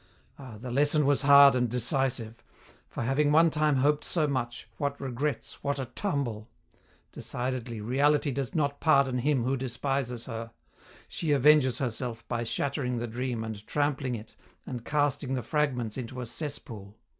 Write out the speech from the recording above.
Ah, the lesson was hard and decisive. For having one time hoped so much, what regrets, what a tumble! Decidedly, Reality does not pardon him who despises her; she avenges herself by shattering the dream and trampling it and casting the fragments into a cesspool.